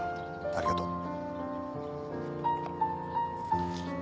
ありがとう。